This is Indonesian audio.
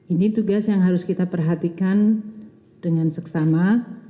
ini tugas yang harus kita perhatikan dengan seksama